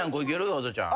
ホトちゃん。